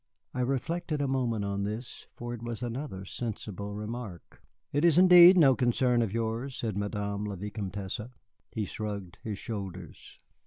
I reflected a moment on this, for it was another sensible remark. "It is indeed no concern of yours," said Madame la Vicomtesse. He shrugged his shoulders.